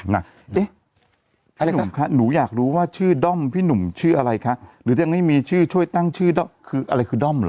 พี่หนุ่มคะหนูอยากรู้ว่าชื่อด้อมพี่หนุ่มชื่ออะไรคะหรือยังไม่มีชื่อช่วยตั้งชื่อด้อมคืออะไรคือด้อมเหรอ